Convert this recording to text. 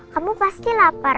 kamu pasti lama kan